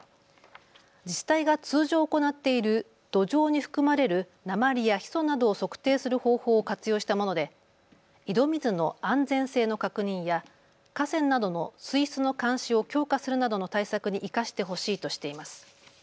自治体が通常行っている土壌に含まれる鉛やヒ素などを測定する方法を活用したもので井戸水の安全性の確認や河川などの水質の監視を強化するなどの対策に生かしてほしいとしています。